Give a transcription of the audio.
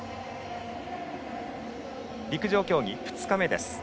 陸上競技２日目です。